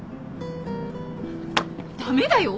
駄目だよ！